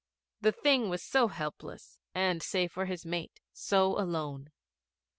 The Thing was so helpless, and, save for his mate, so alone.